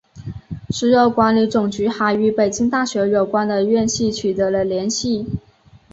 石油管理总局还与北京大学有关的院系取得了联系。